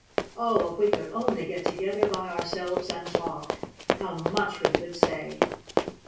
Oh, if we could only get together by ourselves and talk! How much we could say!"